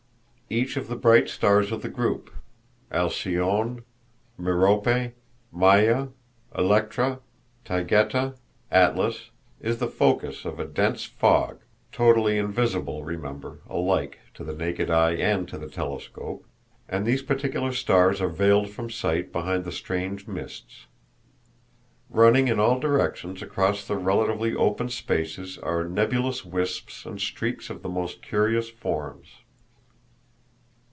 Each of the bright stars of the group—Alcyone, Merope, Maia, Electra, Taygeta, Atlas—is the focus of a dense fog (totally invisible, remember, alike to the naked eye and to the telescope), and these particular stars are veiled from sight behind the strange mists. Running in all directions across the relatively open spaces are nebulous wisps and streaks of the most curious forms.